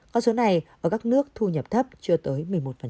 con số này ở các nước thu nhập thấp chưa tới một mươi một